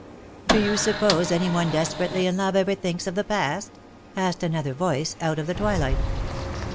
" Do you suppose any one desperately in love ever thinks of the past ?" asked another voice out of the twilight.